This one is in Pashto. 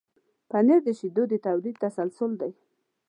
پنېر د شیدو د تولید تسلسل دی.